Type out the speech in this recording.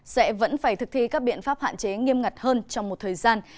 sẽ vẫn phải thực thi các biện pháp hạn chế nghiêm ngặt hơn trong một thời gian